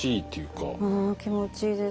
うん気持ちいいです。